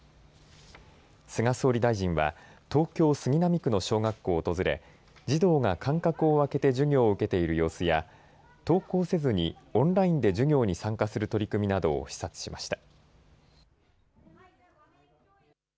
菅総理大臣は東京杉並区の小学校を訪れ児童が間隔を空けて授業を受けている様子や登校せずにオンラインで授業に参加する取り組みなどを視察しました。